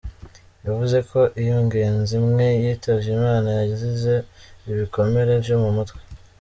Yavuze ko iyo ngenzi imwe yitavye Imana yazize ibikomere vyo mu mutwe.